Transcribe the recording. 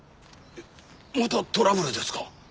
またトラブルですか？